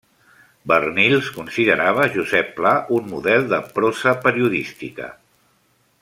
Barnils considerava Josep Pla un model de prosa periodística.